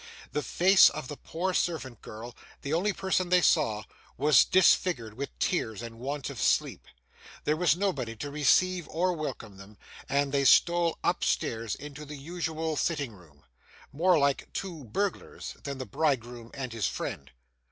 The face of the poor servant girl, the only person they saw, was disfigured with tears and want of sleep. There was nobody to receive or welcome them; and they stole upstairs into the usual sitting room, more like two burglars than the bridegroom and his friend.